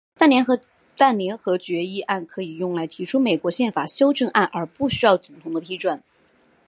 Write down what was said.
但联合决议案可以用来提出美国宪法修正案而不需要总统的批准。